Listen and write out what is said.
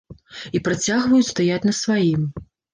І працягваюць стаяць на сваім.